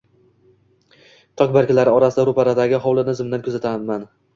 Tok barglari orasidan ro`paradagi hovlini zimdan kuzataman